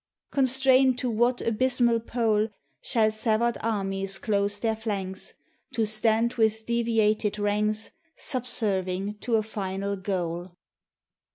Constrained to what abysmal pole Shall severed armies close their flanks To stand with deviated ranks, Subserving to a final goal?